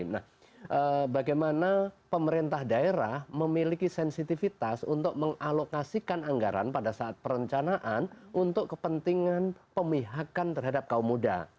nah bagaimana pemerintah daerah memiliki sensitivitas untuk mengalokasikan anggaran pada saat perencanaan untuk kepentingan pemihakan terhadap kaum muda